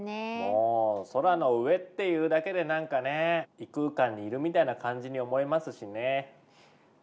もう空の上っていうだけでなんかね異空間にいるみたいな感じに思えますしね。